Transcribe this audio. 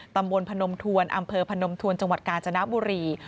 ตำบลพนมทวนอำเภอพนมทวนจังหวัดกาญจนบุรี